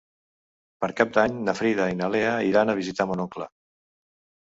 Per Cap d'Any na Frida i na Lea iran a visitar mon oncle.